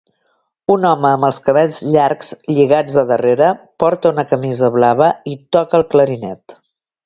Un home amb els cabells llargs lligats a darrera porta una camisa blava i toca el clarinet.